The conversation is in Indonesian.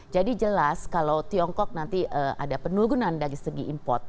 jadi jelas kalau tiongkok nanti ada penurunan dari segi import